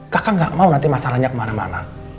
kakak gak mau nanti masalahnya kemana mana